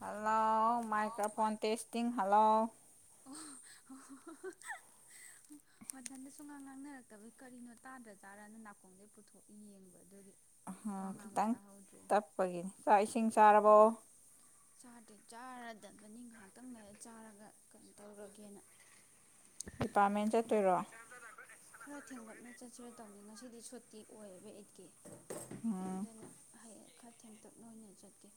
hello microphone testing hello [unintelligible] ꯃꯊꯟꯗ ꯁꯨꯡꯉꯥꯡ ꯉꯥꯡꯅꯔꯛꯇꯕꯒꯤ ꯀꯔꯤꯅꯣ ꯇꯥꯗ꯭ꯔ ꯆꯥꯔꯅ ꯅꯥꯀꯣꯡꯗꯒꯤ ꯄꯨꯊꯣꯛ ꯌꯦꯡꯕ ꯑꯗꯨꯒꯤ ꯎꯝ ꯋꯥ ꯉꯥꯡꯕ ꯈꯤꯇꯪ ꯇꯥꯍꯧꯗ꯭ꯔꯤꯅꯤ ꯇꯞꯄꯒꯤꯅꯤ ꯆꯥꯛ ꯏꯁꯤꯡ ꯆꯥꯔꯕꯣ ꯆꯥꯗꯤꯦ ꯆꯥꯔꯗꯕꯅꯤ ꯉꯥꯏꯍꯥꯛꯇꯪ ꯂ ꯆꯥꯔꯒ ꯀꯩꯅꯣ ꯇꯧꯔꯒꯦꯅ ꯗꯤꯄꯥꯔꯠꯃꯦꯟ ꯂꯣꯏ ꯆꯠꯇꯣꯏꯔꯣ ꯈꯔ ꯊꯦꯡꯂꯞꯅ ꯆꯠꯁꯤꯔ ꯇꯧꯅꯤ ꯉꯁꯤꯗꯤ ꯁꯨꯠꯇꯤ ꯑꯣꯏꯌꯦꯕ ꯑꯤꯠꯀꯤ ꯎꯝ ꯈꯔ ꯊꯦꯡꯇꯛꯅ ꯑꯣꯏꯅ ꯆꯠꯀꯦ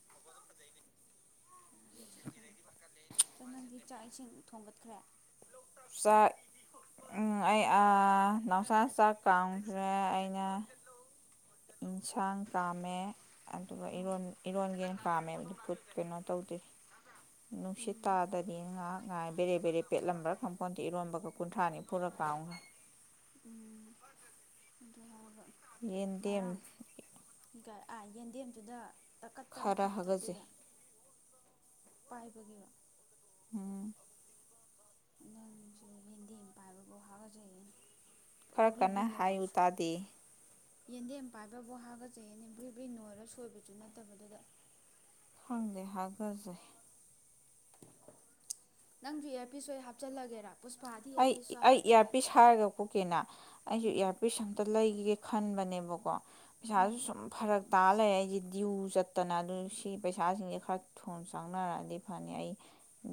ꯑꯗꯨ ꯅꯪꯗꯤ ꯆꯥꯛ ꯏꯁꯤꯡ ꯊꯣꯡꯒꯠꯈ꯭ꯔꯦ ꯆꯥꯛ ꯑꯩ ꯅꯥꯎꯁꯥ ꯆꯥꯛ ꯀꯥꯡꯈ꯭ꯔꯦ ꯑꯩꯅ ꯌꯦꯟꯁꯥꯡ ꯀꯥꯝꯃꯦ ꯑꯗꯨꯒ ꯎꯝ ꯏꯔꯣꯟ ꯏꯔꯣꯟꯒꯦꯅ ꯀꯥꯝꯃꯦ ꯀꯩꯅꯣ ꯇꯧꯗꯦ ꯅꯨꯡꯁꯤꯠ ꯎꯝ ꯇꯥꯗꯗꯤ ꯉꯥꯏꯥꯛ ꯉꯥꯏ ꯕꯔꯦ ꯕꯦ ꯄꯦꯠꯂꯝꯕ꯭ꯔꯥ ꯀꯝꯄꯥꯎꯟꯗ ꯏꯔꯣꯟꯝꯕꯒ ꯀꯨꯟꯊ꯭ꯔꯥ ꯅꯤꯝꯐꯨꯔꯛ ꯀꯥꯝꯃ ꯎꯝ ꯑꯗꯨ ꯍꯥꯏꯔꯒ ꯌꯦꯟꯗꯦꯝ ꯉꯔꯥꯡ ꯑꯥ ꯌꯦꯟꯗꯦꯝꯗꯨꯗ ꯇꯈꯠꯇꯅ ꯈꯔ ꯍꯥꯒꯠꯆꯩ ꯀꯥꯝꯊꯠꯂꯤꯔꯥ ꯄꯥꯏꯕꯒꯤꯔꯣ [unintelligible] ꯅꯪꯁꯨ ꯌꯦꯟꯗꯤ ꯄꯥꯏꯕꯕꯨꯥꯎ ꯍꯥꯔꯒꯖꯩꯌꯦꯅ ꯈꯔ ꯀꯟꯅ ꯄꯥꯕ꯭ꯔꯤꯕꯤꯗꯨ ꯍꯥꯏꯌꯨ ꯇꯥꯗꯦ ꯌꯦꯟꯗꯦꯝ ꯄꯥꯏꯕꯕꯨ ꯍꯥꯒꯠꯆꯩꯌꯦꯅꯦ ꯕꯔꯤ ꯕꯔꯤ ꯅꯣꯏꯔ ꯁꯣꯏꯕꯁꯨ ꯅꯠꯇꯕꯗꯨꯗ ꯈꯪꯗꯦ ꯍꯥꯒꯠꯆꯩ ꯅꯪꯁꯨ ꯑꯦꯔ ꯄꯤꯁ ꯅꯣꯏ ꯍꯥꯞꯆꯜꯂꯒꯦꯔꯥ ꯄꯨꯁꯄꯥꯥꯗꯤ ꯑꯦꯔ ꯄꯤꯁ ꯍꯥꯞꯄꯦ ꯍꯥꯏ ꯊꯥꯔꯒ ꯀꯣꯛꯀꯦꯅ ꯑꯩꯁꯨ ꯎꯝ ꯏꯌꯥꯔꯄꯤꯁ ꯑꯝꯇ ꯂꯩꯒꯒꯦ ꯈꯟꯕꯅꯦꯕꯀꯣ ꯄꯩꯁꯥꯁꯨ ꯎꯝ ꯁꯨꯝ ꯐꯔꯛ ꯇꯥ ꯂꯩ ꯑꯩꯁꯦ ꯗ꯭ꯌꯨ ꯆꯠꯇꯅ ꯑꯗꯨ ꯁꯤ ꯄꯩꯁꯥꯁꯤꯡꯁꯦ ꯈꯔ ꯐꯣꯟ ꯆꯪꯅꯔꯛꯑꯗꯤ ꯐꯅꯤ ꯑꯩ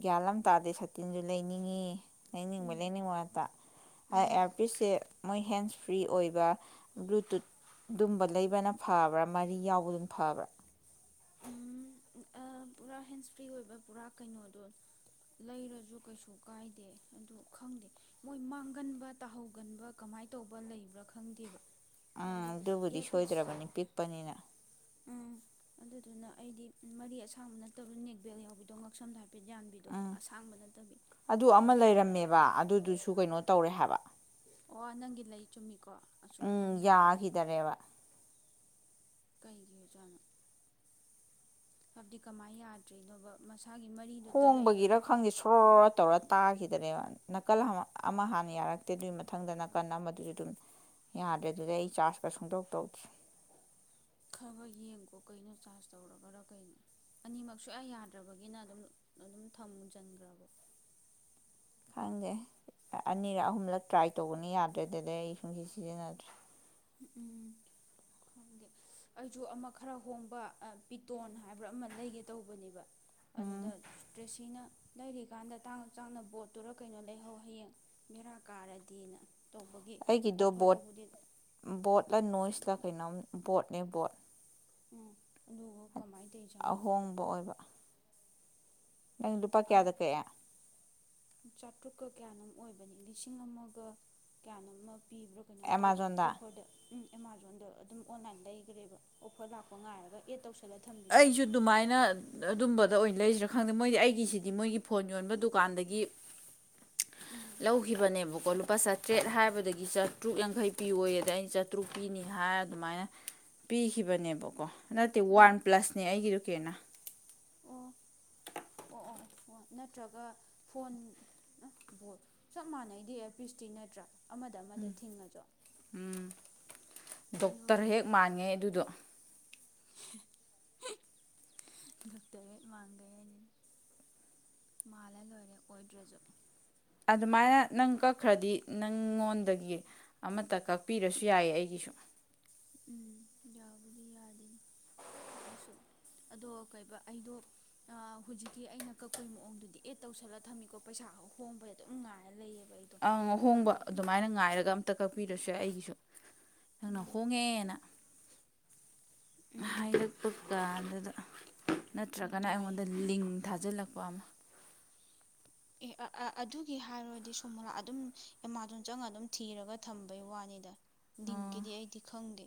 ꯒ꯭ꯌꯥꯟꯂꯝ ꯇꯥꯗꯦ ꯁꯇꯤꯟꯁꯨ ꯂꯩꯅꯤꯡꯏꯤ ꯂꯩꯅꯤꯡꯕ ꯂꯩꯅꯤꯡꯕ ꯉꯛꯇꯥ ꯎꯝ ꯑꯥꯔꯄꯤꯁꯁꯦ ꯃꯣꯏ ꯍꯦꯟꯁ ꯐ꯭ꯔꯤ ꯑꯣꯏꯕ ꯕ꯭ꯂꯨꯇꯨꯠ ꯑꯗꯨꯝꯕ ꯂꯩꯕꯅ ꯐꯕ꯭ꯔꯥ ꯃꯔꯤ ꯌꯥꯎꯕꯗꯨꯝ ꯐꯕ꯭ꯔꯥ ꯑꯥ ꯄꯨꯔꯥ ꯍꯦꯟꯁ ꯐ꯭ꯔꯤ ꯑꯣꯏꯕ ꯄꯨꯔꯥ ꯀꯩꯅꯣꯗꯣ ꯂꯩꯔꯁꯨ ꯀꯩꯁꯨ ꯀꯥꯏꯗꯦ ꯑꯗꯨ ꯈꯪꯗꯦ ꯃꯣꯏ ꯃꯥꯡꯒꯟꯕ ꯇꯥꯍꯧꯒꯟꯕ ꯀꯃꯥꯏꯅ ꯇꯧꯕ ꯂꯩꯕ꯭ꯔꯥ ꯈꯪꯗꯦꯕ ꯑꯥ ꯍꯥꯏꯕꯗꯤ ꯑꯗꯨꯕꯨꯗꯤ ꯏꯌꯥꯔꯄꯤꯁ ꯁꯣꯏꯗ꯭ꯔꯕꯅꯤ ꯄꯤꯛꯄꯅꯤꯅ ꯎꯝ ꯑꯗꯨꯅ ꯑꯩꯗꯤ ꯃꯔꯤ ꯑꯁꯥꯡꯕꯅ ꯇꯔꯨ ꯅꯦꯛꯕꯦꯜ ꯌꯥꯎꯕꯤꯗꯣ ꯉꯛꯁꯝꯗ ꯍꯥꯏꯐꯦꯠ ꯌꯥꯅꯤ ꯇꯕꯤꯗꯣ ꯎꯝ ꯑꯁꯥꯡꯕ ꯅꯠꯇꯕꯤꯗꯣ ꯑꯃ ꯑꯗꯨ ꯂꯩꯔꯝꯃꯦꯕ ꯑꯗꯨꯗꯨꯁꯨ ꯀꯩꯅꯣ ꯇꯧꯔꯦ ꯍꯥꯏꯕ ꯑꯣ ꯅꯪꯒꯤ ꯂꯩ ꯆꯨꯝꯃꯤꯀꯣ ꯑꯁꯤꯁꯨꯒꯨꯝꯕ ꯎꯝ ꯑꯃ ꯂꯩ [unintelligible] ꯀꯩꯒꯤ ꯑꯣꯖꯥꯠꯅꯣ ꯍꯥꯏꯕꯗꯤ ꯀꯃꯥꯏꯅ ꯌꯥꯗ꯭ꯔꯤꯅꯣꯕ ꯃꯁꯥꯒꯤ ꯃꯔꯤ ꯍꯣꯡꯕꯒꯤꯔ ꯈꯪꯗꯦ ꯁꯣꯔꯣꯔ ꯇꯧꯔ ꯇꯥꯈꯤꯗꯅꯦꯕꯅꯤ ꯅꯥꯀꯜ ꯑꯃ ꯍꯥꯟꯅ ꯌꯥꯔꯛꯇꯦ ꯑꯗꯨꯒꯤ ꯃꯊꯪꯗ ꯅꯥꯀꯟ ꯑꯃꯗꯨꯁꯨ ꯑꯗꯨꯝ ꯌꯥꯗ꯭ꯔꯦ ꯑꯗꯨꯗꯩ ꯑꯩ ꯆꯥꯔꯒ ꯁꯨꯡꯗꯧ ꯇꯧꯗꯦ ꯈꯒ ꯌꯦꯡꯀꯣ ꯀꯩꯅꯣ ꯆꯥꯔꯖ ꯇꯧꯔꯕꯔꯥ ꯀꯩꯅꯣ ꯑꯅꯤꯃꯛ ꯁꯨꯡ ꯌꯥ ꯌꯥꯗ꯭ꯔꯕꯒꯤꯅ ꯑꯗꯨꯝ ꯑꯗꯨꯝ ꯊꯝꯁꯤꯟꯈ꯭ꯔꯕꯣ ꯈꯪꯗꯦ ꯑꯅꯤꯔꯛ ꯑꯍꯨꯝꯂꯛ ꯇ꯭ꯔꯥꯏ ꯇꯧꯕꯅꯤ ꯌꯥꯗ꯭ꯔꯦ ꯑꯗꯨꯗꯩ ꯑꯩ ꯁꯨꯡꯁꯤ ꯁꯤꯖꯤꯟꯅꯗ꯭ꯔꯦ ꯎꯝ ꯈꯪꯗꯦ ꯑꯩꯁꯨ ꯑꯃ ꯈꯔ ꯍꯣꯡꯕ ꯄꯤꯇꯣꯟ ꯍꯥꯏꯕ꯭ꯔꯥ ꯑꯃ ꯂꯩꯒꯦ ꯇꯧꯕꯅꯦꯕ ꯑꯗꯨꯗ ꯎꯝ ꯇ꯭ꯔꯦꯁꯤꯅ ꯂꯩꯔꯤꯀꯥꯟꯗ ꯇꯥꯡꯑꯁꯨ ꯇꯥꯡꯅ ꯕꯣꯠꯇꯨꯔ ꯀꯩꯅꯣ ꯂꯩꯍꯧ ꯍꯌꯦꯡ ꯒꯦꯔꯥ ꯀꯥꯔꯗꯤꯅ ꯇꯧꯕꯒꯤ ꯑꯩꯒꯤꯗꯣ ꯕꯣꯠ ꯑꯣꯐꯔꯗꯕꯨꯗꯤ ꯕꯣꯠꯂ ꯅꯣꯏꯁꯂ ꯀꯩꯅꯣ ꯕꯣꯠꯅꯦ ꯕꯣꯠ ꯑꯣ ꯑꯗꯨꯒ ꯀꯃꯥꯏꯅ ꯇꯧꯖꯥꯠꯅꯣ ꯣꯡꯕ ꯑꯣꯏꯕ ꯅꯪ ꯂꯨꯄꯥ ꯀꯌꯥꯗ ꯀ ꯆꯥꯇ꯭ꯔꯨꯛꯀ ꯀꯌꯥꯅꯣꯝ ꯑꯣꯏꯕꯅꯤ ꯂꯤꯁꯤꯡ ꯑꯃꯒ ꯀꯌꯥꯅꯣꯝ ꯑꯃ ꯄꯤꯕ꯭ꯔꯥ ꯀꯩꯅꯣꯝ ꯇꯧꯕꯅꯤ ꯑꯦꯃꯥꯖꯣꯟꯗ ꯑꯣꯐꯔꯗ ꯎꯝ ꯑꯦꯃꯥꯖꯣꯟꯗ ꯑꯗꯨꯝ ꯑꯣꯟꯂꯥꯏꯟ ꯂꯩꯈ꯭ꯔꯦꯕ ꯑꯣꯐꯔ ꯂꯥꯛꯄ ꯉꯥꯏꯔꯒ ꯑꯦꯠ ꯇꯧꯁꯤꯜꯂ ꯊꯝꯕꯤꯗꯣ ꯑꯩꯁꯨ ꯑꯗꯨꯃꯥꯏꯅ ꯑꯗꯨꯝꯕꯗ ꯑꯣꯏꯅ ꯂꯩꯁꯤꯔꯥ ꯈꯪꯗꯦ ꯃꯣꯏꯗꯤ ꯑꯩꯒꯤꯁꯤꯗꯤ ꯃꯣꯏꯒꯤ ꯐꯣꯟ ꯌꯣꯟꯕ ꯗꯨꯀꯥꯟꯗꯒꯤ [inaudible] ꯂꯧꯈꯤꯕꯅꯦꯕꯀꯣ ꯂꯨꯄꯥ ꯆꯥꯇ꯭ꯔꯦꯠ ꯍꯥꯏꯕꯗꯒꯤ ꯆꯥꯇ꯭ꯔꯨꯛ ꯌꯥꯡꯈꯩ ꯄꯤꯌꯣꯏ ꯑꯗ ꯑꯩꯅ ꯆꯥꯇ꯭ꯔꯨꯛ ꯄꯤꯅꯤ ꯍꯥꯏꯔ ꯑꯗꯨꯃꯥꯏꯅ ꯄꯤꯈꯤꯕꯅꯦꯕꯀꯣ ꯅꯠꯇꯦ ꯋꯥꯟ ꯄ꯭ꯂꯁꯅꯦ ꯑꯩꯒꯤꯗꯨꯣ ꯀꯦꯅ ꯑꯣ ꯑꯣ ꯑꯣ ꯑꯣ ꯅꯠꯇ꯭ꯔꯒ ꯐꯣꯟ ꯕꯣ ꯆꯞ ꯃꯥꯟꯅꯩꯗꯤ ꯑꯦ ꯄꯤꯁꯇꯤ ꯅꯠꯇ꯭ꯔꯥ ꯑꯃꯗ ꯑꯃꯗ ꯊꯤꯡꯉꯁꯨ ꯎꯝ [unintelligible] ꯗꯣꯛꯇꯔ ꯍꯦ ꯃꯥꯡꯈꯦ ꯍꯥꯏꯅꯤꯗꯤ ꯃꯥꯜꯂ ꯂꯣꯏꯔꯦ ꯑꯣꯏꯗ꯭ꯔꯁꯨ ꯑꯗꯨꯃꯥꯏꯅ ꯅꯪ ꯀꯛꯈ꯭ꯔꯗꯤ ꯅꯪꯉꯣꯟꯗꯒꯤ ꯑꯃꯠꯇ ꯀꯛꯄꯤꯔꯁꯨ ꯌꯥꯏꯌꯦ ꯑꯩꯒꯤꯁꯨ ꯎꯝ ꯌꯥꯕꯨꯗꯤ ꯌꯥꯗꯦꯅꯤ ꯀꯛꯑꯁꯨ ꯑꯗꯣ ꯀꯩ ꯑꯩꯗꯣ ꯍꯧꯖꯤꯛꯀꯤ ꯑꯩꯅ ꯀꯛꯄꯩ ꯃꯑꯣꯡꯗꯨꯗꯤ ꯑꯦꯠ ꯇꯧꯁꯜꯂ ꯊꯝꯃꯤꯀꯣ ꯄꯩꯁꯥ ꯈ ꯍꯣꯡꯕꯗ ꯑꯗꯨꯝ ꯉꯥꯏꯔ ꯂꯩꯌꯦꯕ ꯑꯩꯗꯣ ꯑꯪ ꯑꯍꯣꯡꯕ ꯍꯥꯏꯕꯗꯤ ꯑꯗꯨꯃꯥꯏꯅ ꯉꯥꯏꯔꯒ ꯑꯝꯇ ꯀꯛꯄꯤꯔꯁ ꯌꯥ ꯑꯩꯒꯤꯁꯨ ꯅꯪꯅ ꯎꯝ ꯍꯣꯡꯉꯦꯅ ꯍꯥꯏꯔ ꯀꯀ ꯑꯗꯨꯗ ꯎꯝ ꯅꯠꯇ꯭ꯔꯒꯅ ꯌꯥꯏ ꯑꯩꯉꯣꯟꯗ ꯂꯤꯡ ꯊꯥꯖꯤꯜꯂꯛꯄ ꯑꯃ ꯑꯦ ꯑꯗꯨꯒꯤ ꯍꯥꯏꯔꯗꯤ ꯁꯣꯃꯣꯔꯥ ꯑꯗꯨꯝ ꯑꯦꯃꯥꯖꯣꯟ ꯆꯪꯉꯒ ꯑꯗꯨꯝ ꯊꯤꯔꯒ ꯊꯝꯕꯩ ꯋꯥꯅꯤꯗ ꯑꯣ ꯂꯤꯡꯀꯤꯗꯤ ꯑꯩꯗꯤ ꯈꯪꯗꯦ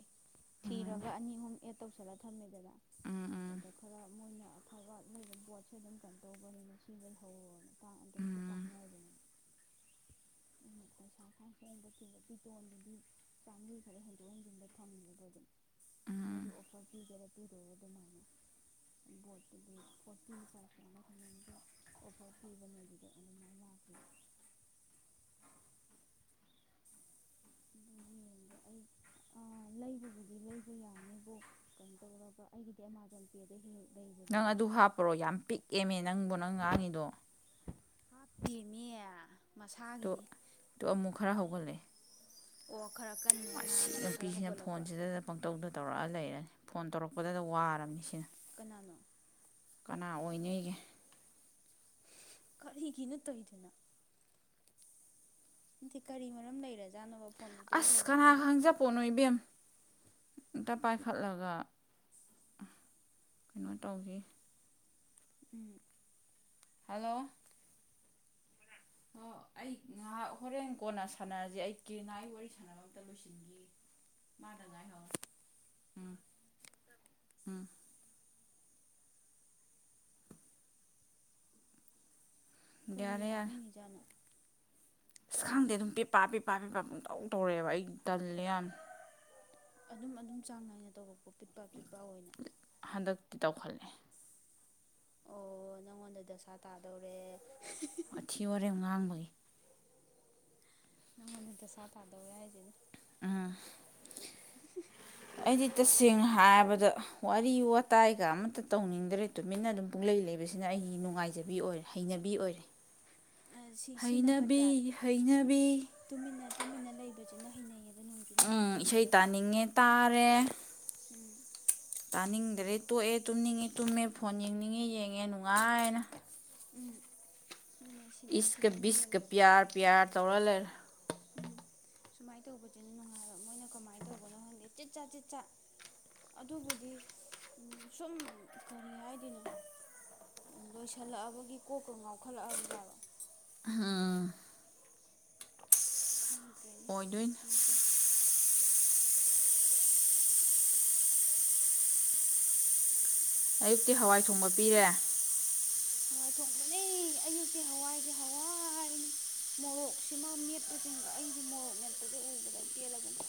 ꯊꯤꯔꯒ ꯑꯅꯤ ꯑꯍꯨꯝ ꯑꯦꯗ ꯇꯧꯁꯤꯜꯂ ꯊꯝꯃꯦꯗꯅ ꯎꯝ ꯎꯝ ꯑꯗꯨꯗ ꯈꯔ ꯃꯣꯏꯅ ꯑꯐꯕ ꯂꯩꯕ ꯄꯕꯣꯠꯁꯨ ꯑꯗꯨꯝ ꯀꯩꯅꯣ ꯇꯧꯕꯅꯤꯅ ꯁꯤ ꯂꯩꯍꯧꯔꯣꯅ ꯑꯗꯨꯝꯁꯨ ꯇꯥꯡꯅꯔꯕꯅꯦ ꯑꯩꯅ ꯄꯩꯁꯥ ꯈꯌꯥꯝ ꯍꯣꯡꯕ ꯊꯦꯕ ꯄꯤꯇꯣꯟꯗꯨꯗꯤ ꯆꯥꯝꯃꯔꯤ ꯈꯔ ꯍꯦꯟꯗꯣꯛ ꯍꯦꯟꯖꯤꯟꯕ ꯐꯪꯉꯕ ꯑꯗꯨꯝ ꯃꯣꯏꯗ ꯑꯣꯐꯔ ꯄꯤꯒꯦꯔꯥ ꯄꯤꯔ ꯑꯗꯨꯃꯥꯏꯅ ꯕꯣꯠꯇꯨꯗꯤ ꯐꯣꯔꯇꯤ ꯄꯥꯔꯁꯦꯟꯗ ꯀꯩꯅꯣꯝꯁꯨ ꯑꯣꯐꯔ ꯄꯤꯕꯅꯦ ꯑꯗꯨꯗꯣ ꯑꯗꯨꯃꯥꯏꯅ ꯂꯥꯛꯈꯤꯕꯒ ꯑꯗ ꯌꯦꯡꯒꯦ ꯑꯩ ꯂꯩꯕꯕꯨꯗꯤ ꯂꯩꯕ ꯌꯥꯅꯤꯕꯣꯛ ꯀꯩꯅꯣ ꯇꯧꯔꯒ ꯑꯩꯒꯤꯗꯤ ꯑꯦꯃꯥꯖꯣꯟ ꯗ ꯍ ꯂꯩ ꯅꯪ ꯑꯗꯨ ꯍꯥꯞꯄ꯭ꯔꯣ ꯌꯥꯝ ꯄꯤꯛꯑꯦꯃꯦ ꯅꯪꯕꯨ ꯅꯪ ꯉꯥꯡꯉꯤꯗꯣ ꯍꯥꯞꯇꯦꯃꯤ ꯃꯁꯥꯒꯤꯅꯤ ꯇꯨ ꯑꯃꯨꯛ ꯈꯔ ꯍꯧꯒꯠꯂꯦ ꯑꯣ ꯈꯔ ꯀꯟꯅ ꯍꯦꯛ ꯑ ꯉꯥꯡꯉꯒꯅ ꯈꯔ ꯅꯨꯄꯤꯁꯤꯅ ꯍꯧꯒꯠꯂꯛꯄ ꯐꯣꯟꯁꯤꯗꯗ ꯄꯪꯇꯧꯗꯨ ꯇꯧꯔꯛꯑ ꯂꯩꯔꯦ ꯐꯣꯟ ꯇꯧꯔꯛꯄꯗꯗ ꯋꯥꯔꯕꯅꯤ ꯁꯤꯅ ꯀꯅꯥꯅꯣ ꯀꯅꯥ ꯑꯣꯏꯅꯦꯒꯦ ꯀꯔꯤꯒꯤꯅꯣ ꯇꯧꯏꯗꯨꯅ ꯅꯠꯇꯦ ꯀꯔꯤ ꯃꯔꯝ ꯂꯩꯔꯖꯥꯠꯅꯣꯕ ꯐꯣꯟ ꯄꯨꯡꯇꯧ ꯑꯁ ꯀꯅꯥ ꯇꯧꯔꯛꯏꯁꯤꯅ ꯈꯪꯖꯄꯣꯠꯅꯣ ꯏꯕꯦꯝ ꯑꯝꯇ ꯄꯥꯏꯈꯠꯂꯒ ꯀꯩꯅꯣ ꯇꯧꯅꯤ ꯎꯝ ꯍꯜꯂꯣ ꯑꯣ ꯑꯩ ꯉꯥꯏꯍꯥꯛ ꯍꯣꯔꯦꯟ ꯀꯣꯟꯅ ꯁꯥꯟꯅꯔꯁꯤ ꯑꯩ ꯀ [unintelligible] ꯋꯥꯔꯤ ꯁꯥꯟꯅꯕ ꯑꯝꯇ ꯂꯣꯏꯁꯤꯟꯈꯤꯒꯦ ꯎꯝ ꯎꯝ ꯀꯔꯤ ꯌꯥꯔꯦ ꯌꯥꯔꯦ ꯍꯥꯏꯅꯤꯡꯉꯤꯖꯥꯠꯅꯣ ꯑꯁ ꯍꯥ ꯈꯪꯗꯦ ꯑꯗꯨꯝ ꯄꯦꯄꯥ ꯄꯦꯄꯥ ꯄꯦꯄꯥ ꯄꯨꯡꯇꯧ ꯇꯧꯔꯛꯑꯦꯕ ꯑꯩ ꯇꯜꯂꯦ ꯌꯥꯝ ꯑꯗꯨꯝ ꯑꯗꯨꯝ ꯆꯥꯡ ꯅꯥꯏꯅ ꯇꯧꯔꯛꯄ ꯄꯤꯠꯄꯥ ꯄꯤꯠꯄꯥ ꯑꯣꯏꯅ ꯍꯟꯗꯛ ꯇꯧꯈꯠꯂꯦ ꯑꯣ ꯅꯪꯉꯣꯟꯗ ꯗꯁꯥ ꯇꯥꯗꯧꯔꯦ ꯋꯥꯊꯤ ꯋꯥꯔꯦꯝ ꯉꯥꯡꯕꯒꯤ ꯅꯪꯉꯣꯟꯗ ꯗꯁꯥ ꯇꯥꯗꯧꯔꯦ ꯍꯥꯏꯁꯤꯅꯤ ꯎꯝ [unintelligible] ꯑꯩꯗꯤ ꯇꯁꯦꯡꯅ ꯍꯥꯏꯔꯕꯗ ꯋꯥꯔꯤ ꯋꯥꯇꯥꯏꯒ ꯑꯃꯇ ꯇꯧꯅꯤꯡꯗ꯭ꯔꯦ ꯇꯨꯃꯤꯟꯅ ꯑꯗꯨꯝ ꯄꯨꯡꯂꯩ ꯂꯩꯕꯁꯤꯅ ꯑꯩꯒꯤ ꯅꯨꯡꯉꯥꯏꯖꯕꯤ ꯑꯣꯏꯔꯦ ꯍꯩꯅꯕꯤ ꯑꯣꯏꯔꯦ [inaudible] ꯁꯤ ꯁꯤꯅ ꯍꯩꯅꯕꯤ ꯐꯠꯇ꯭ꯔꯥ ꯍꯩꯅꯕꯤ ꯇꯨꯃꯤꯟꯅ ꯇꯨꯃꯤꯟꯅ ꯂꯩꯕꯁꯤꯅ ꯍꯩꯅꯩꯌꯦꯕ ꯅꯨꯡ ꯎꯝ ꯏꯁꯩ ꯇꯥꯅꯤꯡꯉꯦ ꯇꯥꯔꯦ ꯎꯝ ꯇꯥꯅꯤꯡꯗ꯭ꯔꯦ ꯇꯣꯛꯑꯦ ꯇꯨꯝꯅꯤꯡꯉꯦ ꯇꯨꯝꯃꯦ ꯐꯣꯟ ꯌꯦꯡꯅꯤꯡꯉꯦ ꯌꯦꯡꯉꯦ ꯅꯨꯡꯉꯥꯏꯅ ꯎꯝ ꯑꯗꯨꯅꯦ ꯁꯤꯗ ꯏꯁꯀ ꯁꯤꯗꯅ ꯕꯤꯁꯀ ꯍꯦꯟꯅ ꯄꯤꯌꯥꯔ ꯄꯤꯌꯥꯔ ꯇꯧꯔ ꯂꯩꯔꯦ ꯎꯝ ꯁꯨꯃꯥꯏ ꯇꯧꯕꯁꯤꯅ ꯅꯨꯡꯉꯥꯏꯕ ꯃꯣꯏꯅ ꯀꯃꯥꯏꯅ ꯇꯧꯕꯅꯣ ꯈꯪꯗꯦ ꯆꯤꯠ ꯆꯥꯠ ꯆꯤꯠ ꯆꯥꯠ ꯑꯗꯨꯕꯨꯗꯤ ꯁꯨꯝ ꯀꯔꯤ ꯍꯥꯏꯗꯣꯏꯅꯣ ꯂꯣꯏꯁꯜꯂꯛꯑꯕꯒꯤ ꯀꯣꯛꯀ ꯉꯥꯎꯈꯠꯂꯛꯑꯕ ꯖꯥꯠꯂꯣ ꯑꯪ ꯈꯪꯗ꯭ꯔꯦꯅꯦ ꯑꯣꯏꯗꯣꯏꯅꯤ ꯄꯨꯟꯁꯤꯁꯦ [inaudible] ꯑꯌꯨꯛꯇꯤ ꯍꯋꯥꯏ ꯊꯣꯡꯕ ꯄꯤꯔꯦ [unintelligible] ꯍꯋꯥꯏ ꯊꯣꯡꯕꯅꯤ ꯑꯌꯨꯛꯇꯤ ꯍꯋꯥꯏꯒꯤ ꯍꯋꯥꯏꯅꯤ ꯃꯣꯔꯣꯛꯁꯤꯃ ꯃꯦꯠꯄꯁꯤꯡꯒ ꯑꯩꯗꯤ ꯃꯣꯔꯣꯛ ꯃꯦꯠꯄꯁꯦ ꯎꯕꯗ ꯄꯦꯜꯂꯕꯅꯤ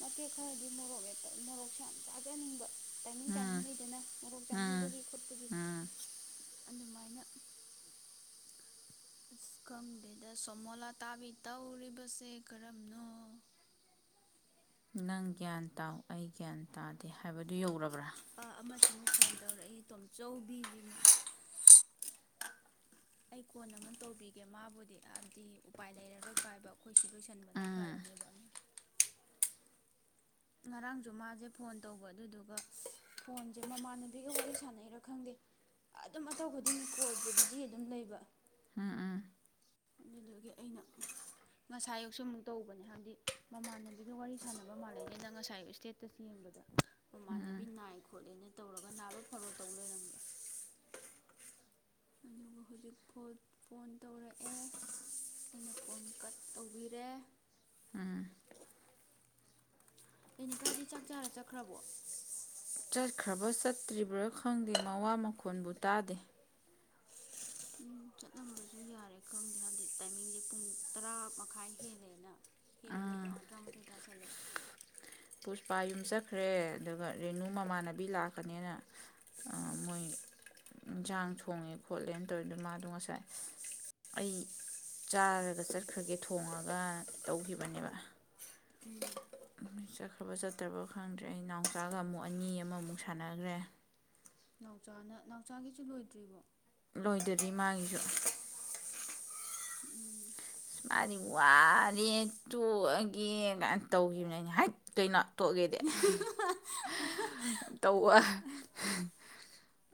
ꯃꯇꯦꯛ ꯈꯔꯗꯤ ꯃꯣꯔꯣꯛ ꯃꯦꯠꯄ ꯃꯣꯔꯣꯛꯁꯦ ꯌꯥꯝ ꯆꯥꯖꯅꯤꯡꯕ ꯇꯥꯏꯃꯤꯡ ꯎꯝ ꯇꯥꯏꯃꯤꯡ ꯂꯩꯗꯅ ꯃꯣꯔꯣꯛ ꯎꯝ ꯆꯥꯅꯤꯡꯕꯒꯤ ꯈꯣꯠꯄꯒꯤ ꯎꯝ ꯑꯗꯨꯃꯥꯏꯅ ꯑꯁ ꯈꯪꯗꯦꯗ ꯁꯣꯃꯣꯂꯥꯇꯥꯕꯤ ꯇꯧꯔꯤꯕꯁꯦ ꯀꯔꯝꯅꯣ ꯅꯪ ꯒ꯭ꯌꯥꯟ ꯇꯥꯎ ꯑꯩ ꯒ꯭ꯌꯥꯟ ꯇꯥꯗꯦ ꯍꯥꯏꯕꯗꯨ ꯌꯧꯔꯕ꯭ꯔꯥ ꯑꯥ ꯑꯃꯁꯤꯃꯨꯛ ꯐꯣꯟ ꯇꯧꯔꯛꯏ ꯇꯣꯝꯆꯧꯕꯤꯁꯤꯃꯨꯛ ꯑꯩ ꯀꯣꯟꯅ ꯑꯃꯨꯛ ꯇꯧꯕꯤꯒꯦ ꯃꯥꯕꯨꯗꯤ ꯍꯥꯏꯕꯗꯤ ꯎꯄꯥꯏ ꯂꯩꯔꯔꯣꯏ ꯄꯥꯏꯕ ꯑꯩꯈꯣꯏꯁꯤ ꯂꯣꯏꯁꯟꯕꯅ ꯎꯝ ꯐꯔꯅꯦꯕ ꯑꯃ ꯉꯔꯥꯡꯁꯨ ꯃꯥꯁꯦ ꯐꯣꯟ ꯇꯧꯕ ꯑꯗꯨꯗꯨꯒ ꯐꯣꯟꯁꯦ ꯃꯃꯥꯟꯅꯕꯤꯒ ꯋꯥꯔꯤ ꯁꯥꯟꯅꯩꯔꯥ ꯈꯪꯗꯦ ꯑꯗꯨꯝ ꯑꯇꯧ ꯈꯨꯗꯤꯡꯒꯤ ꯀꯣꯜꯁꯦ ꯕꯤꯖꯤ ꯑꯗꯨꯝ ꯂꯩꯕ ꯑꯗꯨꯗꯨꯒꯤ ꯑꯩꯅ ꯉꯁꯥꯏꯌꯨꯛꯁꯨ ꯑꯃꯨꯛ ꯇꯧꯕꯅꯤ ꯍꯥꯏꯕꯗꯤ ꯃꯃꯥꯟꯅꯕꯤꯒ ꯋꯥꯔꯤ ꯁꯥꯟꯅꯕ ꯃꯥꯜꯂꯩꯁꯤꯅ ꯉꯁꯥꯏ ꯏꯁꯇꯦꯠ ꯇꯁ ꯌꯦꯡꯕꯗ ꯃꯃꯥꯟꯅꯕꯤ ꯅꯥꯏ ꯈꯣꯠꯂꯦꯅ ꯇꯧꯔꯒ ꯅꯥꯕ ꯐꯔꯣ ꯇꯧ ꯂꯩꯔꯝꯕ ꯑꯗꯨꯒ ꯍꯧꯖꯤꯛ ꯐꯣ ꯐꯣꯟ ꯇꯧꯔꯛꯑꯦ ꯑꯩꯅ ꯀꯣꯟ ꯀꯠ ꯇꯧꯕꯤꯔꯦ ꯎꯝ ꯖꯦꯅꯤꯀꯥꯗꯤ ꯆꯥꯛ ꯆꯥꯔ ꯆꯠꯈ꯭ꯔꯕꯣ ꯆꯠꯈ꯭ꯔꯕ꯭ꯔꯥ ꯆꯠꯇ꯭ꯔꯤꯕ꯭ꯔꯥ ꯈꯪꯗꯦ ꯃꯋꯥ ꯃꯈꯣꯟꯕꯨ ꯇꯥꯗꯦ ꯎꯝ ꯆꯠꯂꯝꯕꯁꯨ ꯌꯥꯔꯦ ꯈꯪꯗꯦ ꯍꯥꯏꯕꯗꯤ ꯇꯥꯏꯃꯤꯡꯁꯦ ꯄꯨꯡ ꯇꯔꯥ ꯃꯈꯥꯏ ꯍꯦꯜꯂꯦꯅ ꯍꯦꯜꯂꯤ ꯅꯠꯇ꯭ꯔꯣ ꯑꯪ ꯇꯔꯥꯃꯊꯣꯏ ꯇꯥꯁꯜꯂꯦ ꯄꯨꯁꯄꯥ ꯌꯨꯝ ꯆꯠꯈ꯭ꯔꯦ ꯑꯗꯨꯒ ꯔꯦꯅꯨ ꯃꯃꯥꯟꯅꯕꯤ ꯂꯥꯛꯀꯅꯦꯅ ꯑ ꯃꯣꯏ ꯏꯟꯁꯥꯡ ꯊꯣꯡꯉꯤ ꯈꯣꯠꯂꯤꯅ ꯇꯧꯔꯤꯗꯨ ꯃꯥꯗꯨ ꯉꯁꯥꯏ ꯑꯩ ꯆꯥꯔꯒ ꯆꯠꯈ꯭ꯔꯒꯦ ꯊꯣꯡꯉꯒꯅ ꯇꯧꯈꯤꯕꯅꯦꯕ ꯎꯝ ꯆꯠꯈ꯭ꯔꯕ ꯆꯠꯇ꯭ꯔꯕ ꯈꯪꯗ꯭ꯔꯦ ꯑꯩ ꯅꯥꯎꯆꯥꯒ ꯑꯃꯨꯛ ꯑꯅꯤ ꯑꯃꯃꯨꯛ ꯁꯥꯟꯅꯈ꯭ꯔꯦ ꯅꯥꯎꯆꯥꯅ ꯅꯥꯎꯆꯥꯒꯤꯁꯨ ꯂꯣꯏꯗ꯭ꯔꯤꯕꯣ ꯂꯣꯏꯗꯔꯤ ꯃꯥꯒꯤꯁꯨ ꯎꯝ ꯃꯥꯗꯤ ꯋꯥꯔꯦ ꯇꯣꯛꯑꯒꯦ ꯀꯥꯏꯅ ꯇꯧꯈꯤꯕꯅꯤ ꯑꯩꯅ ꯍꯥꯏ ꯀꯩꯅꯣ ꯇꯣꯛꯑꯒꯦꯗꯤ ꯇꯧꯕ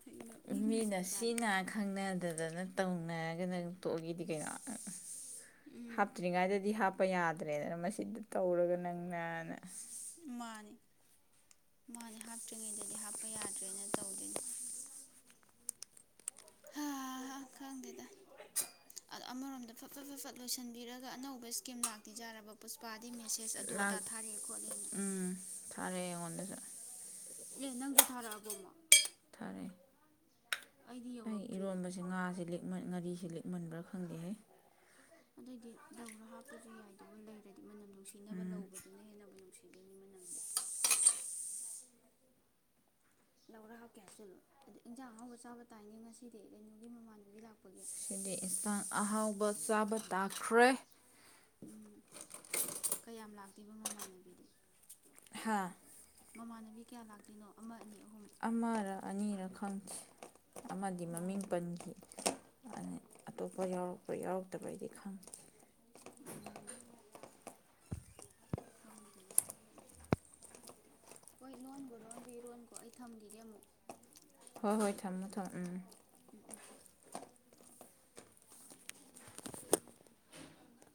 ꯑꯩ ꯅꯣꯛꯅꯤꯡꯉꯤ ꯃꯤꯅ ꯖꯥꯠ ꯖꯥꯠꯅꯤ ꯁꯤꯅꯥ ꯈꯪꯅꯗꯗꯅ ꯇꯧꯅꯔꯒꯅ ꯅꯪ ꯇꯣꯛꯑꯒꯦꯗꯤ ꯀꯩꯅꯣ ꯎꯝ ꯍꯥꯞꯇ꯭ꯔꯤꯉꯩꯗꯗꯤ ꯍꯥꯞ ꯄ ꯌꯥꯗ꯭ꯔꯦꯗꯅ ꯃꯁꯤꯗ ꯇꯧꯔꯒ ꯅꯪꯅꯥꯅ ꯃꯥꯅꯤ ꯃꯥꯅꯤ ꯍꯥꯞꯇ꯭ꯔꯤꯉꯩꯗꯗꯤ ꯍꯥꯞꯄ ꯌꯥꯗ꯭ꯔꯦꯅ ꯇꯧꯗꯣꯏꯅꯦ ꯑꯥ ꯈꯪꯗꯦꯗ ꯑꯃꯔꯣꯝꯗ ꯐ ꯐꯠ ꯐ ꯐꯠ ꯂꯣꯏꯁꯤꯟꯕꯤꯔꯒ ꯑꯅꯧꯕ ꯏꯁꯀꯤꯝ ꯂꯥꯛꯇꯤ ꯌꯥꯔꯕ ꯄꯨꯁꯄꯥꯗꯤ ꯃꯦꯁꯦꯁ ꯑꯗꯨ ꯑꯗꯥ ꯂꯥꯛ ꯊꯥꯔꯛꯑꯦ ꯈꯣꯠꯂꯦꯅ ꯎꯝ ꯊꯥꯔꯛꯑꯦ ꯑꯩꯉꯣꯟꯗꯁꯨ ꯑꯦ ꯅꯪꯁꯨ ꯊꯥꯔꯛꯑꯕꯣ ꯑꯃꯣꯛ ꯊꯥꯔꯛꯑꯦ ꯑꯩ ꯏꯔꯣꯟꯕꯁꯦ ꯉꯥꯁꯦ ꯂꯤꯛꯃꯟ ꯉꯥꯔꯤꯁꯤ ꯂꯤꯛꯃꯟꯕ꯭ꯔꯥ ꯈꯪꯗꯦꯍꯦ ꯑꯗꯨꯏꯗꯤ ꯂꯧꯔ ꯍꯥꯞꯄꯁꯨ ꯌꯥꯏꯗꯨꯕꯨ ꯂꯩꯔꯗꯤ ꯃꯅꯝ ꯅꯨꯡꯁꯤꯅꯕ ꯂꯧꯕꯗꯨꯅ ꯍꯦꯟꯅꯕꯨ ꯅꯨꯡꯁꯤ ꯊꯗꯒꯤ [unintelligible] ꯃꯅꯝꯗꯤ ꯂꯧꯔ ꯍꯥꯞꯀꯦ ꯍꯥꯞꯆꯤꯜꯂꯣ ꯑꯗꯣ ꯏꯟꯖꯥꯡ ꯑꯍꯥꯎꯕ ꯆꯥꯕ ꯇꯥꯏꯅꯦ ꯉꯁꯤꯗꯤ ꯔꯦꯅꯨꯒꯤ ꯃꯃꯥꯟꯅꯕꯤ ꯂꯥꯛꯄꯒꯤ ꯉꯁꯤꯗꯤ ꯏꯟꯁꯥꯡ ꯑꯍꯥꯎꯕ ꯆꯥꯕ ꯇꯥꯈ꯭ꯔꯦ ꯎꯝ ꯀꯌꯥꯝ ꯂꯥꯛꯇꯣꯏꯕ ꯃꯃꯥꯟꯅꯕꯤꯗꯤ ꯍꯥꯥ ꯃꯃꯥꯟꯅꯕꯤ ꯀꯌꯥ ꯂꯥꯛꯇꯣꯏꯅꯣ ꯑꯃ ꯑꯅꯤ ꯑꯍꯨꯝ ꯑꯃꯔ ꯑꯅꯤꯔ ꯈꯪꯈꯤ ꯑꯃꯗꯤ ꯃꯃꯤꯡ ꯎꯝ ꯄꯟꯈꯤ ꯑꯇꯣꯞꯄ ꯌꯥꯎꯔꯛꯄ꯭ꯔꯥ ꯌꯥꯎꯔꯛꯇꯕꯩꯗꯤ ꯈꯪꯗꯦ ꯎꯝ ꯈꯪꯗꯦꯅꯦ ꯑꯗꯨꯗꯤ ꯑꯩꯁꯨ ꯍꯣꯏ ꯂꯣꯟꯒꯣ ꯂꯣꯟꯒꯣ ꯏꯔꯣꯟꯈꯣ ꯑꯩ ꯊꯝꯈꯤꯒꯦ ꯑꯃꯨꯛ ꯍꯣꯏ ꯍꯣꯏ ꯊꯝꯃꯣ ꯊꯝꯃꯣ ꯎꯝ ꯎꯝ ꯎꯝ